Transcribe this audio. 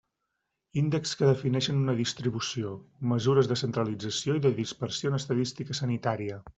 Índexs que defineixen una distribució: mesures de centralització i de dispersió en estadística sanitària.